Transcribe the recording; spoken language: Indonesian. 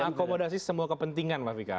mengakomodasi semua kepentingan pak fikar